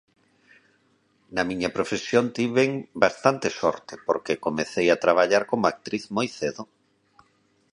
Na miña profesión tiven bastante sorte porque comecei a traballar como actriz moi cedo.